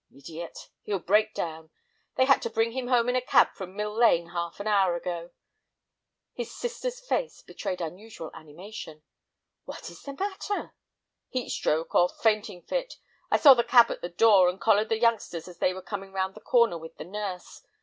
Idiot! He'll break down. They had to bring him home in a cab from Mill Lane half an hour ago." His sister's face betrayed unusual animation. "What is the matter?" "Heat stroke, or fainting fit. I saw the cab at the door, and collared the youngsters as they were coming round the corner with the nurse.